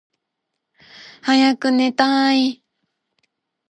はやくねたい。